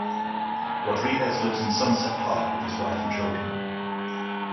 Rodriguez lives in Sunset Park with his wife and children.